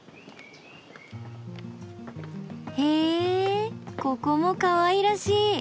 へぇここもかわいらしい！